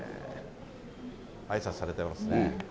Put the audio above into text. あいさつされてますね。